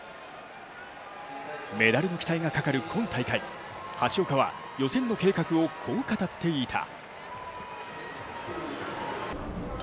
メダルの期待がかかる今大会、橋岡は予選の計画をこう語っていた。